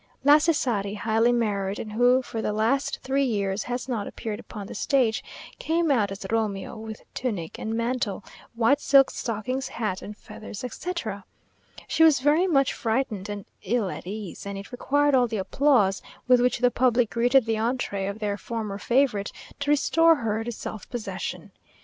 La Cesari, highly married, and who for the last three years has not appeared upon the stage, came out as Romeo, with tunic and mantle, white silk stockings, hat, and feathers, etc. She was very much frightened and ill at ease, and it required all the applause with which the public greeted the entree of their former favourite to restore her to self possession.